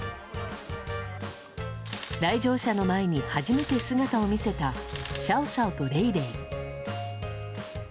来場者の前に初めて姿を見せたシャオシャオとレイレイ。